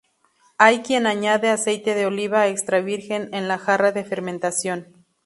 Hay quien añade aceite de oliva extra virgen en la jarra de fermentación.